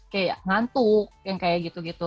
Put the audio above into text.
kayak ngantuk yang kayak gitu gitu